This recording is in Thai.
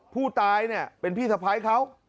ผู้ตายเนี่ยเป็นพี่สะพ้ายเขา